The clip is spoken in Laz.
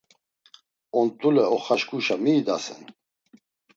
Ont̆ule oxaçkuşa mi idasen?